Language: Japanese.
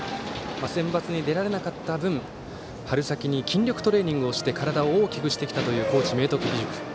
センバツに出られなかった分春先に筋力トレーニングをして体を大きくしてきたという高知・明徳義塾。